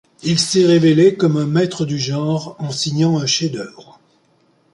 Il s'est révélé comme un maître du genre en signant un chef-d'œuvre.